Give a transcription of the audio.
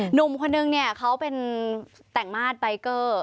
หนุ่มคนนึงเนี่ยเขาเป็นแต่งมาสใบเกอร์